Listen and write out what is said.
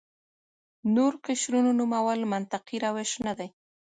نور قشرونو نومول منطقي روش نه دی.